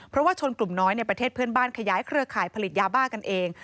เพราะว่าชนกลุ่มน้อยในประเทศเพื่อนบ้านขยายเครือข่ายผลิตยาบ้ากันเอง